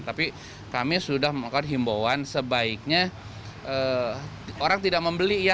tapi kami sudah melakukan himbauan sebaiknya orang tidak membeli ya